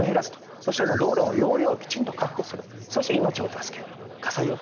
そして道路の容量をきちんと確保するそして命を助ける火災を消す。